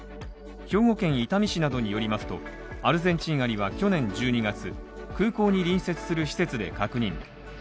兵庫県伊丹市などによりますとアルゼンチンアリは去年１２月空港に隣接する施設で確認。